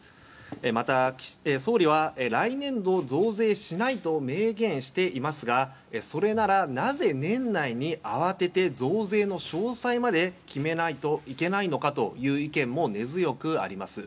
また、総理は来年度増税しないと明言していますがそれなら、なぜ年内に慌てて増税の詳細まで決めないといけないのかという意見も根強くあります。